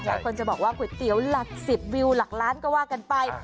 หลายคนจะบอกว่าก๋วยเตี๋ยวหลัก๑๐วิวหลักล้านก็ว่ากันไป